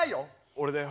俺だよ。